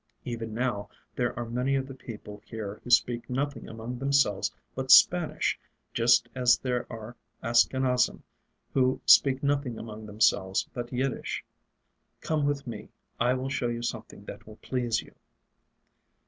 Even now there are many of the people here who speak nothing among themselves but Spanish, just as there are Askenazim who speak nothing among themselves but Yiddish. Come with me; I will show you something that will please you."